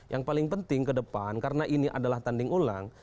yang paling penting ke depan karena ini adalah tanding ulang